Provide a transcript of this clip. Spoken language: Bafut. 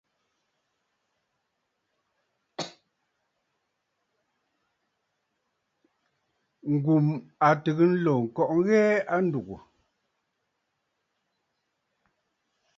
Ngum a tɨgə̀ ǹlo ŋkɔꞌɔ ŋghɛɛ a ndúgú.